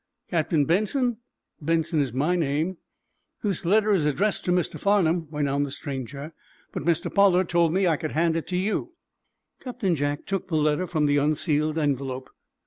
"Captain Benson?" "Benson is my name." "This letter is addressed to Mr. Farnum," went on the stranger, "but Mr. Pollard told me I could hand it to you." Captain Jack took the letter from the unsealed envelope.